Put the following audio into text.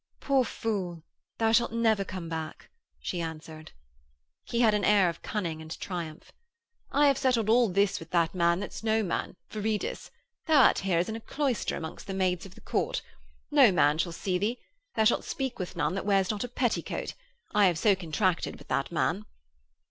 'Poor fool, thou shalt never come back,' she answered. He had an air of cunning and triumph. 'I have settled all this with that man that's no man, Viridus; thou art here as in a cloister amongst the maids of the Court. No man shall see thee; thou shalt speak with none that wears not a petticoat. I have so contracted with that man.'